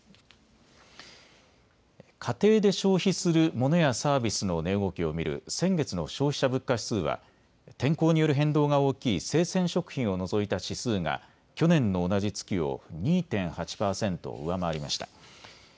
家庭で消費するモノやサービスの値動きを見る先月の消費者物価指数は天候による変動が大きい生鮮食品を除いた指数が去年の同じ月を２．８％上回りました。